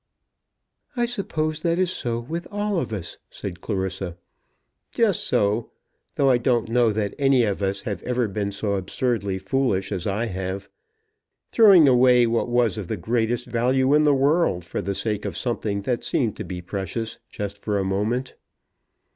"I suppose that is so with all of us," said Clarissa. "Just so, though I don't know that any of us have ever been so absurdly foolish as I have, throwing away what was of the greatest value in the world for the sake of something that seemed to be precious, just for a moment."